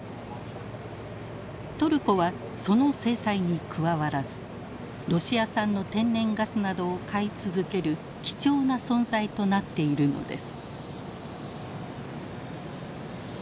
トルコはその制裁に加わらずロシア産の天然ガスなどを買い続ける貴重な存在となっているのです。